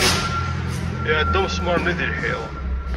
Iɛedda umesmaṛ-nni deg lḥiḍ.